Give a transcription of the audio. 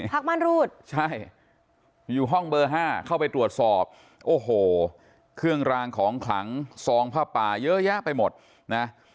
ม่านรูดใช่อยู่ห้องเบอร์๕เข้าไปตรวจสอบโอ้โหเครื่องรางของขลังซองผ้าป่าเยอะแยะไปหมดนะ